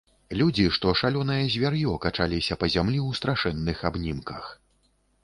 Людзі, што шалёнае звяр'ё, качаліся па зямлі ў страшэнных абнімках.